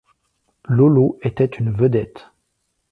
Lolo était une vedette.